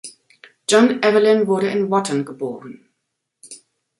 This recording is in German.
John Evelyn wurde in Wotton geboren.